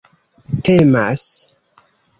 temas